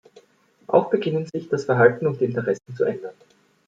Auch beginnen sich das Verhalten und die Interessen zu ändern.